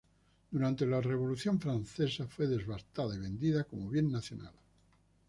Durante la Revolución francesa fue devastada y vendida como bien nacional.